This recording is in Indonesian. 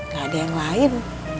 gak ada yang lain